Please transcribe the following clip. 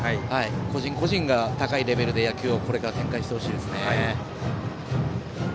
個人個人が高いレベルで野球をこれから展開してほしいですね。